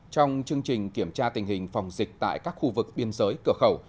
trong chương trình kiểm tra tình hình phòng dịch tại các khu vực biên giới cửa khẩu